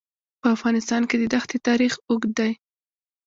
په افغانستان کې د دښتې تاریخ اوږد دی.